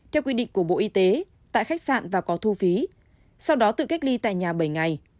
theo quy định của bộ y tế tại khách sạn và có thu phí sau đó tự cách ly tại nhà bảy ngày